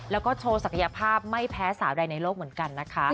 แล้วก็โชว์ศักยภาพไม่แพ้สาวใดในโลกเหมือนกันนะคะ